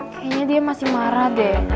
kayaknya dia masih marah deh